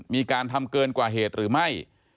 มีการทำเกินกว่าเหตุหรือไม่